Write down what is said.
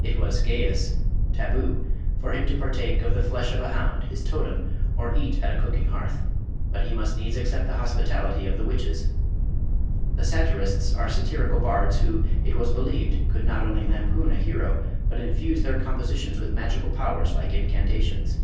It was "geis" (taboo) for him to partake of the flesh of a hound (his totem), or eat at a cooking hearth; but he must needs accept the hospitality of the witches. The satirists are satirical bards who, it was believed, could not only lampoon a hero, but infuse their compositions with magical powers like incantations.